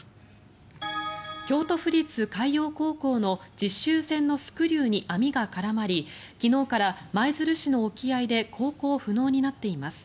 京都府立海洋高校の実習船のスクリューに網が絡まり昨日から舞鶴市の沖合で航行不能になっています。